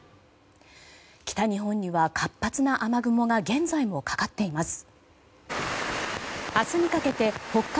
北日本には、活発な雨雲が現在もかかっています。